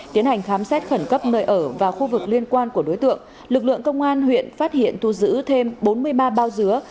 tiến hành khám xét khẩn cấp nơi ở và khu vực liên quan của đối tượng lực lượng công an huyện phát hiện thu giữ thêm bốn mươi ba bao dứa